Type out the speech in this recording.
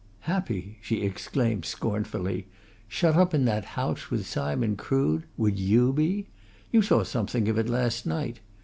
"Happy!" she exclaimed scornfully. "Shut up in that house with Simon Crood! Would you be? You saw something of it last night.